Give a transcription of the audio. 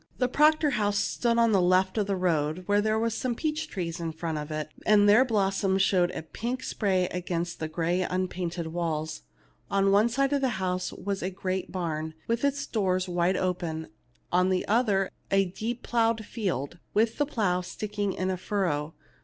The Proctor house stood at the left of the road ; there were some peach trees in front of it, and their blossoms showed in a pink spray against the gray unpainted walls. On one side of the house was the great barn, with its doors wide open ; on the other, a deep ploughed field, with the plough sticking in a furrow.